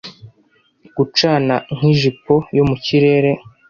gucana nk'ijipo yo mu kirere